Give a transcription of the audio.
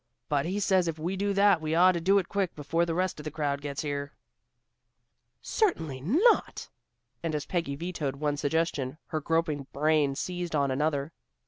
But he says if we do that, we ought to do it quick, before the rest of the crowd gets here." "Certainly not." And as Peggy vetoed one suggestion, her groping brain seized on another.